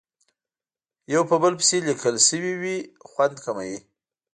یو په بل پسې لیکل شوې وي خوند کموي.